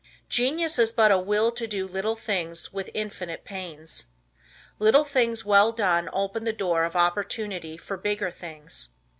Genius Is But A Will To Do Little Things With Infinite Pains. Little Things Well Done Open The Door Of Opportunity For Bigger Things.